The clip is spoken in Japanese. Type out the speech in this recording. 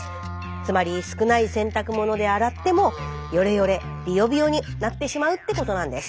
つまり少ない洗濯物で洗ってもよれよれびよびよになってしまうってことなんです。